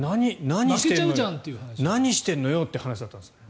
何してんのよという話だったんですね。